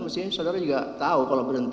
mestinya saudara juga tahu kalau berhenti